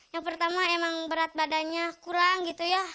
yang pertama emang berat badannya kurang gitu ya